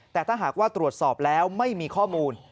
แต่ถ้าหากว่าตรวจสอบแล้วไม่มีข้อมูล